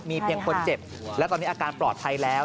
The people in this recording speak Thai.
มีเพียงคนเจ็บและตอนนี้อาการปลอดภัยแล้ว